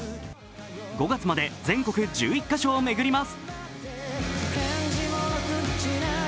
５月まで全国１１か所を巡ります。